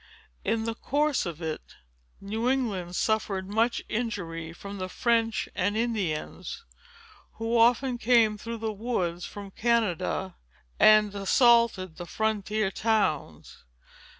In the course of it, New England suffered much injury from the French and Indians, who often came through the woods from Canada, and assaulted the frontier towns.